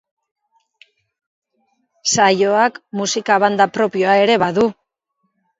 Saioak musika banda propioa ere badu.